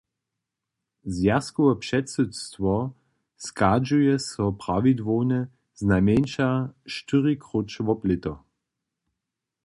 Zwjazkowe předsydstwo schadźuje so prawidłownje, znajmjeńša štyri króć wob lěto.